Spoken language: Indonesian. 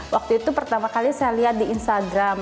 waktu itu pertama kali saya lihat di instagram